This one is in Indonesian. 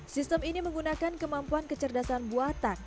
sistem ini menggunakan kemampuan kecerdasan buatan